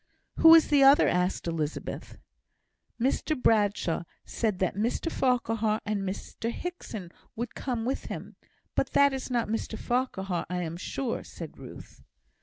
"Who is the other?" asked Elizabeth. "Mr Bradshaw said that Mr Farquhar and Mr Hickson would come with him. But that is not Mr Farquhar, I am sure," said Ruth.